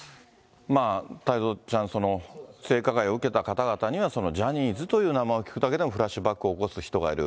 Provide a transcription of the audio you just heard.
太蔵ちゃん、性加害を受けた方々には、そのジャニーズという名前を聞くだけでもフラッシュバックを起こす人がいる。